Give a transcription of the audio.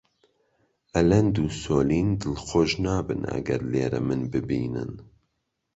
ئەلەند و سۆلین دڵخۆش نابن ئەگەر لێرە من ببینن.